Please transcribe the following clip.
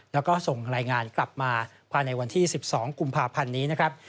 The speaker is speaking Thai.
แล้วก็ส่งรายงานกลับมาภายในวันที่๑๒กุมภาพันธ์นี้นะครับ